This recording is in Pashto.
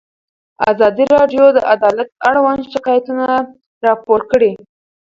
ازادي راډیو د عدالت اړوند شکایتونه راپور کړي.